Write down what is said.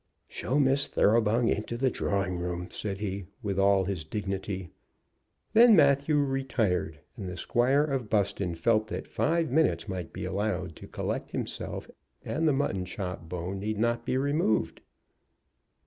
"Show Miss Thoroughbung into the drawing room," said he with all his dignity. Then Matthew retired, and the Squire of Buston felt that five minutes might be allowed to collect himself, and the mutton chop bone need not be removed.